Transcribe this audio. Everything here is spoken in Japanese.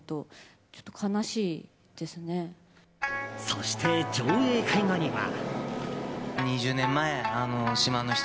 そして、上映会後には。